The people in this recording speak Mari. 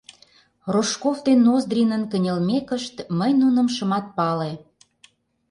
Рожков ден Ноздринын кынелмекышт, мый нуным шымат пале.